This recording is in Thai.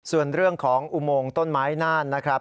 ส่วนเรื่องของอุโมงต้นไม้น่านนะครับ